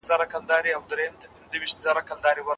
خلګ د روغتیایي ټولنپوهنې له تخصصي برخې څخه ډېر هرکلی کوي.